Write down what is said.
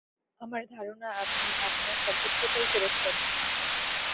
আমার ধারণা আপনি আপনার সর্বোচ্চটাই করেছেন।